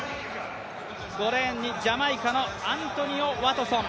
５レーンにジャマイカのアントニオ・ワトソン。